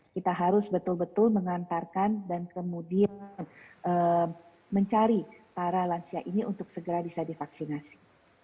kita harus betul betul mengantarkan dan kemudian mencari para lansia ini untuk segera bisa divaksinasi